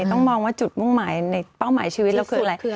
ต้องมองว่าจุดมุ่งหมายในเป้าหมายชีวิตเราคืออะไร